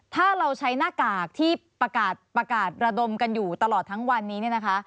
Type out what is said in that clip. ถ้าเราใช้หน้ากากที่ประกาศระดมกันอยู่ตลอดทั้งวันนี้เนี่ยนะคะ